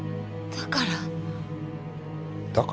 だから？